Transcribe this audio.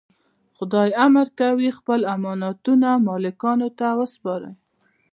خدای امر کوي خپل امانتونه مالکانو ته وسپارئ.